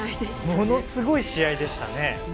ものすごい試合でしたね。